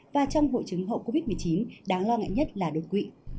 và trong hội chứng hậu covid một mươi chín đáng lo ngại nhất là đột quỵ